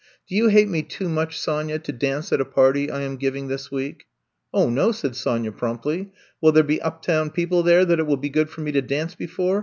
Do you hate me too much, Sonya, to dance at a party I am giving this week?" 0 no," said Sonya promptly. Will there be uptown people there that it will be good for me to dance before